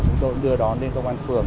chúng tôi cũng đưa đón lên công an phường